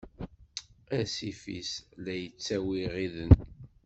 Asif-is, la d-yettawi iɣiden.